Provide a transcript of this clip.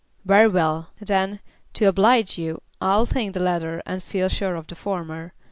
"Very well. Then, to oblige you, I'll think the latter and feel sure of the former.